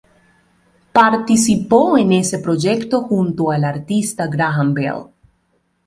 Partició en ese proyecto junto al artista Graham Bell.